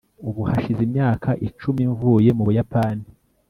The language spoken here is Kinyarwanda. ubu hashize imyaka icumi mvuye mu buyapani